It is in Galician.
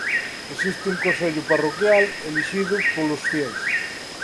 Existe un consello parroquial elixido polos fieis.